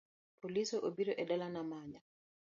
Polise obiro e dalana manya